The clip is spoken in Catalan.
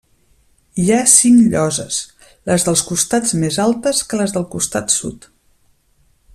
Hi ha cinc lloses, les dels costats més altes que les del costat sud.